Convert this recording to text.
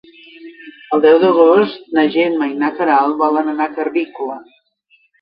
El deu d'agost na Gemma i na Queralt volen anar a Carrícola.